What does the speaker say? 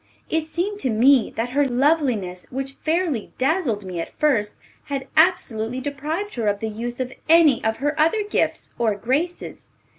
It seemed to me that her loveliness, which fairly dazzled me at first, had absolutely deprived her of the use of any of her other gifts or graces.